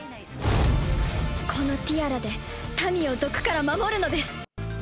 このティアラで、民を毒から守るのです。